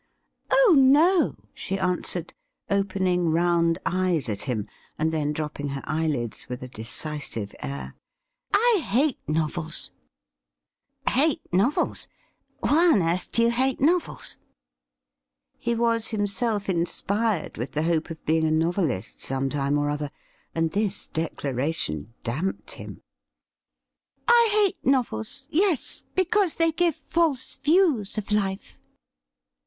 ' Oh no !' she answered, opening round eyes at hira, and then dropping her eyelids with a decisive air. 'I hate novels !'' Hate novels ! Why on earth do you hate novels ?' He was himself inspired with the hope of being a novelist some time or other, and this declaration damped him. ' I hate novels — yes — because they give false views of life.'